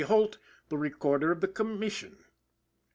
Holt, the Recorder of the Commission!